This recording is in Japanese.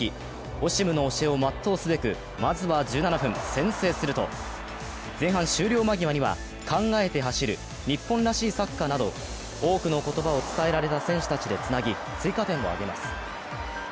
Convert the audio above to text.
オシムの教えを全うすべくまずは１７分、先制すると前半終了間際には考えて走る、日本らしいサッカーなど多くの言葉を伝えられた選手たちでつなぎ、追加点を上げます。